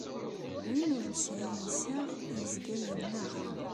Win ur nesɛi iseɣ, yezga yelleɣ.